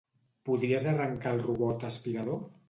Podries arrancar el robot aspirador?